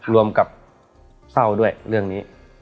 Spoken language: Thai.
รวมกับเศร้าด้วยเรื่องนี้